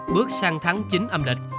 bước sang tháng chín âm lịch